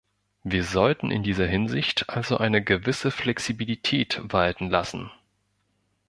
Wir sollten in dieser Hinsicht also eine gewisse Flexibilität walten lassen.